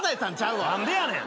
「何でやねん」